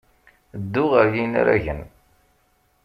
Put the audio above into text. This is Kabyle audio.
Ddu ɣer yinaragen.